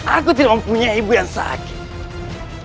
aku tidak mempunyai ibu yang sakit